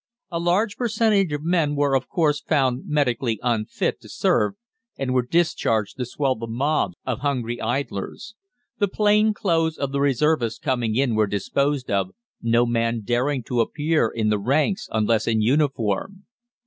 A large percentage of men were, of course, found medically unfit to serve, and were discharged to swell the mobs of hungry idlers. The plain clothes of the reservists coming in were disposed of, no man daring to appear in the ranks unless in uniform.